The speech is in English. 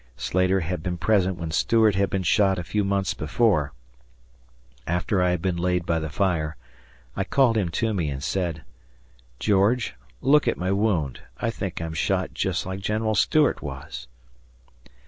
Slater had been present when Stuart had been shot a few months before. After I had been laid by the fire, I called him to me and said, "George, look at my wound, I think I am shot just like General Stuart was."